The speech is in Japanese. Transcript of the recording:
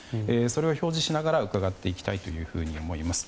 それを表示しながら伺っていきたいと思います。